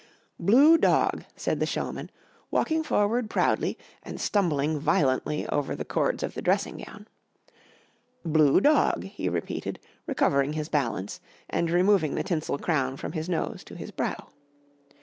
] "Blue dog," said the showman, walking forward proudly and stumbling violently over the cords of the dressing gown. "Blue dog," he repeated, recovering his balance and removing the tinsel crown from his nose to his brow.